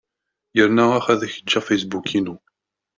Yerna ax ad ak-d-ǧǧeɣ fasebbuk-inu.